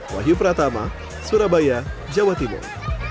wahyu pratama surabaya jawa timur